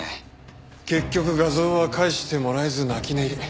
結局画像は返してもらえず泣き寝入り。